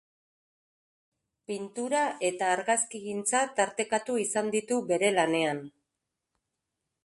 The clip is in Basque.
Pintura eta argazkigintza tartekatu izan ditu bere lanean.